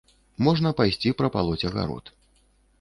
Можна пайсці прапалоць агарод.